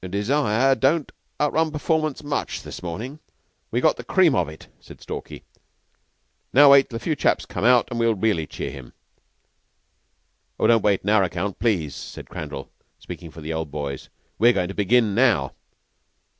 "Desire don't outrun performance much this mornin'. We got the cream of it," said Stalky. "Now wait till a few chaps come out, and we'll really cheer him." "Don't wait on our account, please," said Crandall, speaking for the Old Boys. "We're going to begin now."